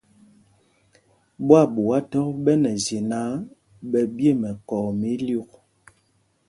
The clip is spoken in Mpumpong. Ɓwaaɓuá thɔk ɓɛ nɛ zye náǎ, ɓɛ ɓye mɛkɔɔ mɛ ílyûk.